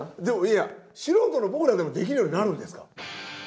でもいや素人の僕らでもできるようになるんですか？